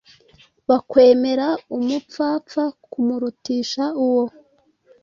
Bakwemera umupfapfa kumurutisha uwo